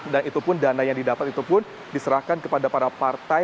dan itu pun dana yang didapat itu pun diserahkan kepada para partai